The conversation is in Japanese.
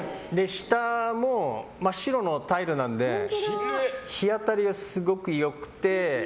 下も真っ白のタイルなので日当たりはすごく良くて。